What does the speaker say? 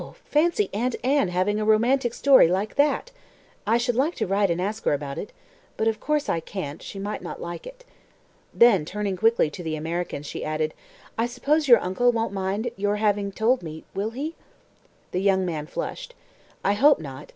Fancy Aunt Anne having a romantic story like that! I should like to write and ask her about it. But, of course, I can't; she might not like it." Then, turning quickly to the American, she added, "I suppose your uncle won't mind your having told me, will he?" The young man flushed. "I hope not.